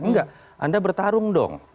enggak anda bertarung dong